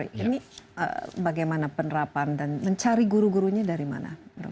ini bagaimana penerapan dan mencari guru gurunya dari mana